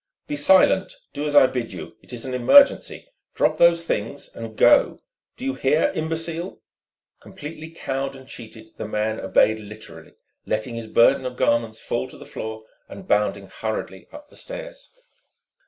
"Be silent. Do as I bid you. It is an emergency. Drop those things and go! Do you hear, imbecile?" Completely cowed and cheated, the man obeyed literally, letting his burden of garments fall to the floor and bounding hurriedly up the stairs.